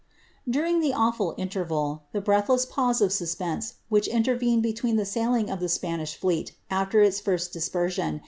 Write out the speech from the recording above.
During the awful interval, the breathless pause of suspense which in tervened between the sailing of the Spanish fleet, after its first dispenioo.